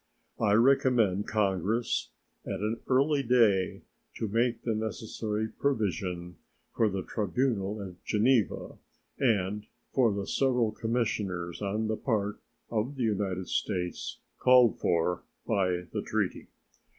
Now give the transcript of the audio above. I recommend Congress at an early day to make the necessary provision for the tribunal at Geneva and for the several commissioners on the part of the United States called for by the treaty.